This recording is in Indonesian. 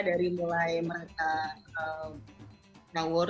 dari mulai merata tawur